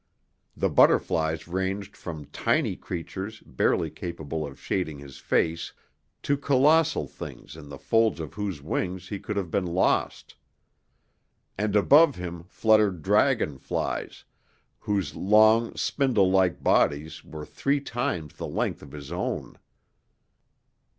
The butterflies ranged from tiny creatures barely capable of shading his face to colossal things in the folds of whose wings he could have been lost. And above him fluttered dragonflies, whose long, spindle like bodies were three times the length of his own.